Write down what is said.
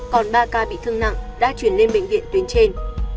còn ba ca bị thương nặng đã chuyển lên bệnh viện tuyến trên